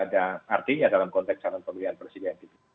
jadi tidak ada artinya dalam konteks calon pemilihan presiden gitu